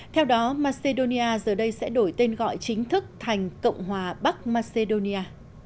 theo đó macedonia giờ đây sẽ đổi tên gọi chính thức thành cộng hòa bắc macedonia